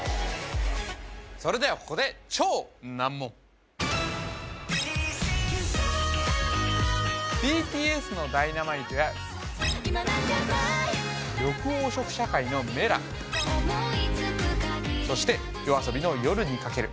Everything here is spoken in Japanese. それではここでＢＴＳの「Ｄｙｎａｍｉｔｅ」や緑黄色社会の「Ｍｅｌａ！」そしてＹＯＡＳＯＢＩの「夜に駆ける」